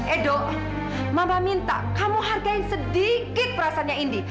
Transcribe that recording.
edo mama minta kamu hargai sedikit perasaannya indi